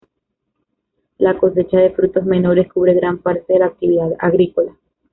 La cosecha de frutos menores cubre gran parte de la actividad agrícola.